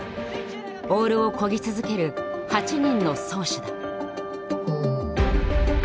オールを漕ぎ続ける８人の「漕手」だ。